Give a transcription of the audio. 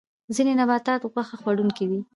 ځینې نباتات غوښه خوړونکي دي